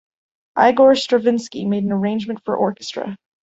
Igor Stravinsky made an arrangement for orchestra.